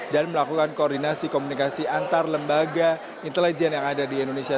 dan melakukan koordinasi komunikasi antar lembaga intelijen yang ada di indonesia